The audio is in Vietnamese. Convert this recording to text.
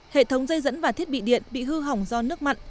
hệ thống dây dẫn và thiết bị điện bị hư hỏng do nước mặn